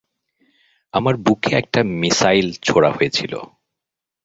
আমার বুকে একটা মিসাইল ছোঁড়া হয়েছিল।